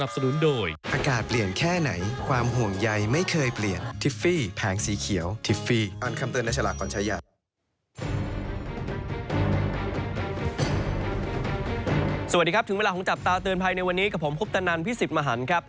สวัสดีครับถึงเวลาของจับตาเตือนภัยในวันนี้กับผมคุปตนันพิสิทธิ์มหันครับ